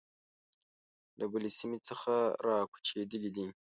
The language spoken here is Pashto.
له بلې سیمې څخه را کوچېدلي دي.